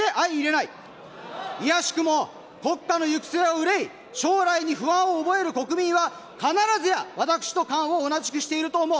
いやしくも国家の行く末を憂い、将来に不安を覚える国民は、必ずや私と感を同じくしていると思う。